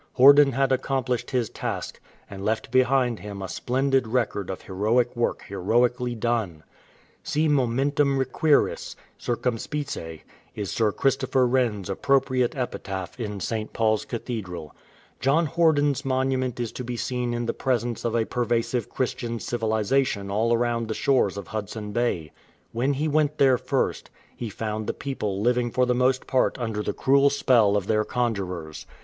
Horden had accomplished his task, and left behind him a splendid record of heroic work heroically done. Si monumentnm requiris, circumspice, is Sir Christopher Wren''s appropriate epitaph in St. PauPs Cathedral. 197 RESULTS OP MINISTRY John IIorden''s monument is to be seen in the presence of a pervasive Christian civilization all aromid the shores of Hudson Bay. When he went there first, he found the people living for the most part under the cruel spell of their conjurers.